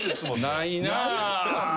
ないかも。